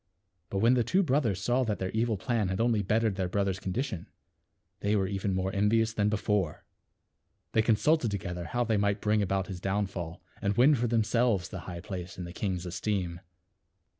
But when the two brothers saw that their evil plan had only bettered their brother's condition, they were even more envi ous than before. They consulted to gether how they might bring about his downfall, and win for themselves the high place in the king's esteem.